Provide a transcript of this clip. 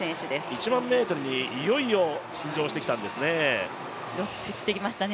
１００００ｍにいよいよ出場してきたんですね。